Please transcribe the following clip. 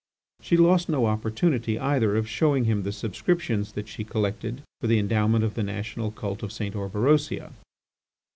She lost no opportunity, either, of showing him the subscriptions that she collected for the endowment of the national cult of St. Orberosia.